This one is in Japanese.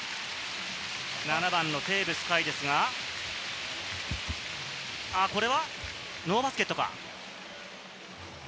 ７番のテーブス海ですが、これはノーバスケットか？